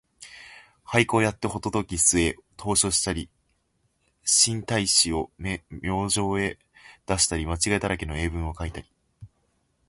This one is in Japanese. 俳句をやってほととぎすへ投書をしたり、新体詩を明星へ出したり、間違いだらけの英文をかいたり、